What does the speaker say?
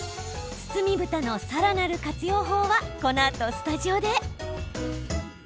包みぶたのさらなる活用法はこのあとスタジオで。